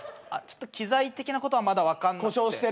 機材的なことは分かんなくて。